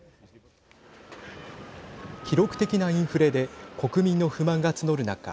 記録的なインフレで国民の不満が募る中